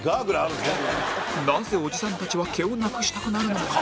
なぜおじさんたちは毛をなくしたくなるのか？